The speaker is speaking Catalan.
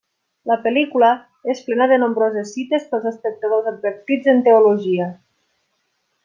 La pel·lícula és plena de nombroses cites pels espectadors advertits en teologia.